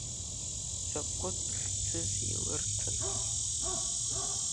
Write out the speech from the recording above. Закәытә хьӡызи илырҭаз!